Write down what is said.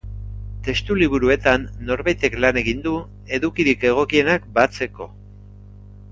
Testu liburuetan norbaitek lan egin du edukirik egokienak batzeko.